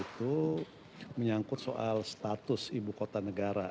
itu menyangkut soal status ibu kota negara